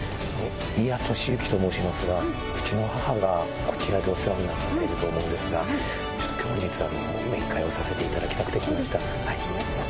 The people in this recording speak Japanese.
宮利之と申しますが、うちの母がこちらでお世話になってると思うんですが、ちょっと本日は面会をさせていただきたくて、来ました。